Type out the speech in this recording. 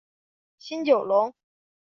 新九龙。